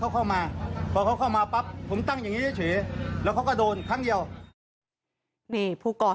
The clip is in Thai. ผมไม่ได้แทงครับผมตั้งอย่างนี้แล้วเขาแตนเข้ามา